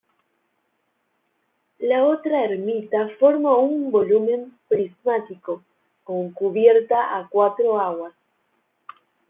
La otra ermita forma un volumen prismático, con cubierta a cuatro aguas.